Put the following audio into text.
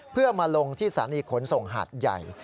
เพื่อมาลงที่สถานีขนส่งหาดใหญ่